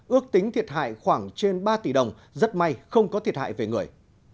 ước tính thiệt hại khoảng trên ba tỷ đồng rất may không có thiệt hại về người